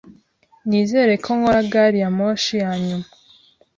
Nizere ko nkora gari ya moshi yanyuma.